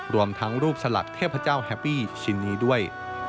รวมทั้งรูปสลักเทพเจ้าแฮปปี้ชิ้นนี้ด้วย